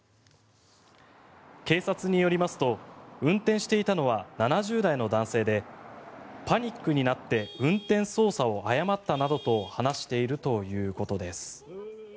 警察によりますと運転していたのは７０代の男性でパニックになって運転操作を誤ったなどと話しているということです。